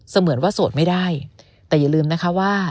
เหมือนว่าโสดไม่ได้แต่อย่าลืมนะคะว่า